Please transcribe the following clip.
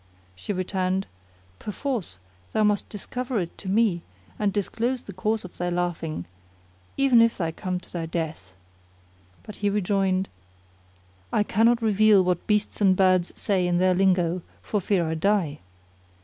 She returned, "Perforce thou must discover it to me, and disclose the cause of thy laughing even if thou come by thy death!" But he rejoined, "I cannot reveal what beasts and birds say in their lingo for fear I die."